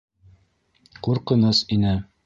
Ҡурҡыныс ине.